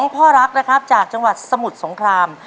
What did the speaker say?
ปลูก